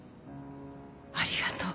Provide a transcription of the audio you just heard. ありがと。